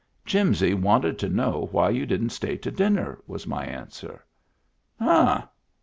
" Jimsy wanted to know why you didn't stay to dinner," was my answer. " Huh